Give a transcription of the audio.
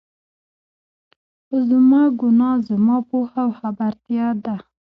خو زما ګناه، زما پوهه او خبرتيا ده.